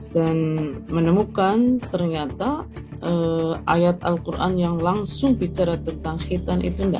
dan menemukan ternyata ayat al quran yang langsung bicara tentang hitam itu enggak